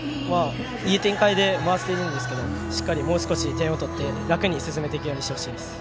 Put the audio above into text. いい展開で回せているんですけどもう少し点を取って楽に進めていってほしいです。